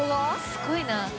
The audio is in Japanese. すごいな。